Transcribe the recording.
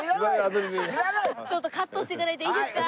ちょっとカットして頂いていいですか？